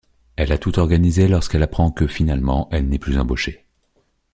Elle a tout organisé lorsqu'elle apprend que, finalement, elle n'est plus embauchée.